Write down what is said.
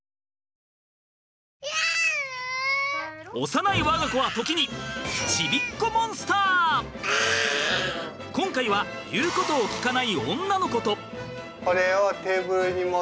幼い我が子は時に今回は言うことを聞かない女の子と。